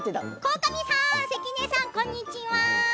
鴻上さん関根さん、こんにちは。